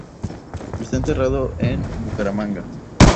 Está enterrado en Bucaramanga.